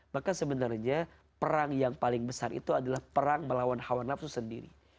maka sebenarnya perang yang paling besar itu adalah perang melawan hawa nafsu sendiri